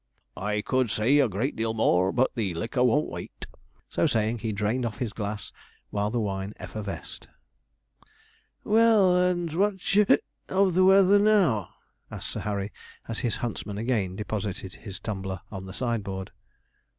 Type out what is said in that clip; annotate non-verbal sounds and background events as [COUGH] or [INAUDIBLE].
I could say a great deal more, but the liquor won't wait.' So saying, he drained off his glass while the wine effervesced. 'Well, and what d'ye [HICCUPS] of the weather now?' asked Sir Harry, as his huntsman again deposited his tumbler on the sideboard.